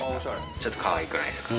ちょっとかわいくないですか？